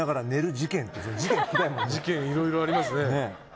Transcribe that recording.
事件いろいろありますね。